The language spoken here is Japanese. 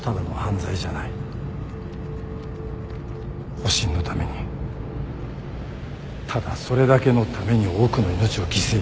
保身のためにただそれだけのために多くの命を犠牲にした。